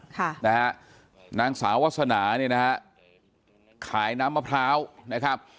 ค่ะนะฮะนางสาววาสนาเนี่ยนะฮะขายน้ำมะพร้าวนะครับ